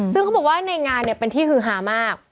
ซึ่งเขาบอกว่าในงานเป็นที่ฮือฮามาก